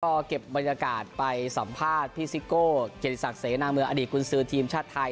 ก็เก็บบรรยากาศไปสัมภาษณ์พี่ซิโก้เกียรติศักดิเสนาเมืองอดีตกุญสือทีมชาติไทย